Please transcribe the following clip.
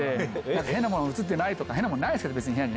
変なもの写ってないとか、変なものないですけど、別に部屋にね。